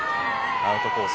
アウトコース